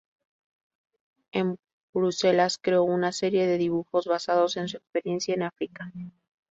En Bruselas creó una serie de dibujos basados en su experiencia en África.